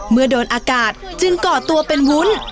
เมื่อโดนอากาศจึงก่อตัวเป็นวุ้น